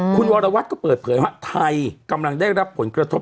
คุณวรวัตรก็เปิดเผยว่าไทยกำลังได้รับผลกระทบ